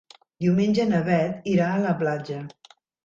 Diumenge na Beth irà a la platja.